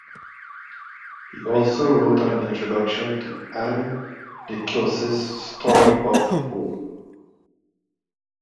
He also wrote an introduction to Anne Desclos's "Story of O".